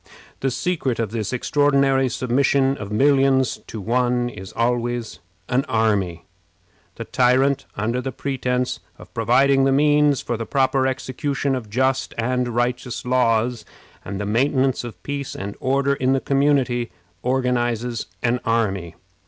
The secret of this extraordinary submission of millions to one is always an army. The tyrant, under the pretense of providing the means for the proper execution of just and righteous laws, and the maintenance of peace and order in the community, organizes an army.